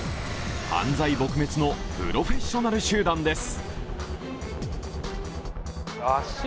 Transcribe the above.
犯罪撲滅のプロフェッショナル集団です。